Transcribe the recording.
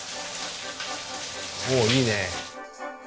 おっいいね。